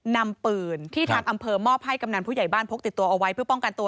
นำปืนที่ทางอำเภอมอบให้กำนันผู้ใหญ่บ้านพกติดตัวเอาไว้เพื่อป้องกันตัว